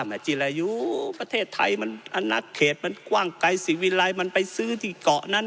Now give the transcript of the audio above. แหม่งจิลายุประเทศไทยมันอันตราเขตมันกว้างไกลมันไปซื้อที่เกาะนั้น